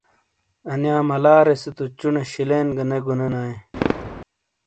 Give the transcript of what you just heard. انیا ملارے سے تو چُونے شِلینگہ نے گُنے نائیے۔